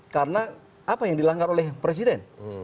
karena apa yang dilanggar oleh presiden